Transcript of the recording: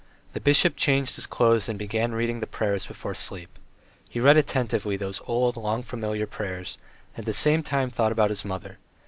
The bishop changed his clothes and began reading the prayers before sleep. He read attentively those old, long familiar prayers, and at the same time thought about his mother.